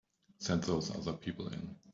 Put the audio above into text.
Send those other people in.